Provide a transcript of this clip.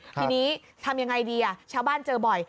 ทีนี้ทำยังไงดีชาวบ้านเจอบ่อย